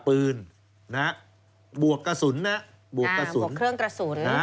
ปืนนะครับบวกกระสุนนะครับบวกเครื่องกระสุน